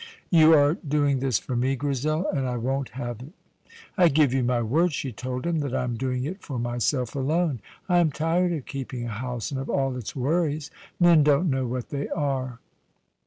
"You are doing this for me, Grizel, and I won't have it." "I give you my word," she told him, "that I am doing it for myself alone. I am tired of keeping a house, and of all its worries. Men don't know what they are."